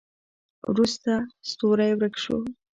وروسته ستوری ورک شو.